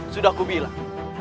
sudah aku bilang